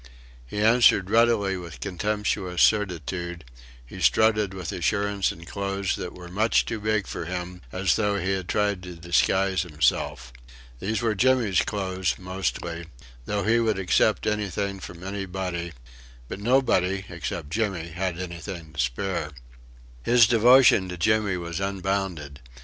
He answered readily with contemptuous certitude; he strutted with assurance in clothes that were much too big for him as though he had tried to disguise himself. These were Jimmy's clothes mostly though he would accept anything from anybody; but nobody, except Jimmy, had anything to spare. His devotion to Jimmy was unbounded.